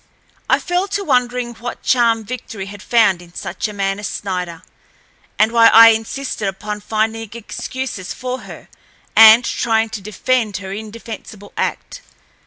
I fell to wondering what charm Victory had found in such a man as Snider, and why I insisted upon finding excuses for her and trying to defend her indefensible act.